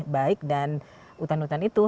baik dan hutan hutan itu